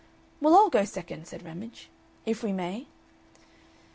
"We'll all go second," said Ramage, "if we may?"